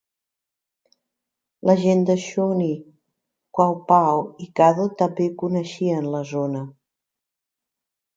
La gent de Shawnee, Quapaw i Caddo també coneixien la zona.